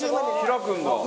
開くんだ。